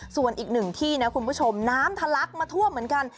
ส่วนอีกหนึ่งที่นะคุณผู้ชมน้ำทะลักมาท่วมเหมือนกัน